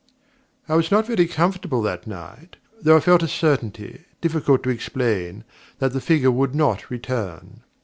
I was not very comfortable that night, though I felt a certainty, difficult to explain, that the figure would not return.